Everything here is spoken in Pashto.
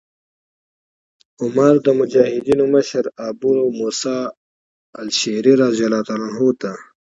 عمر د مجاهدینو مشر ابو موسی الأشعري رضي الله عنه ته